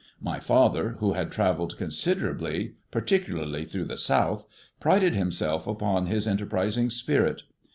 My father, who had travelled considerably, particularly through the South, prided himself upon his enterprising spirit.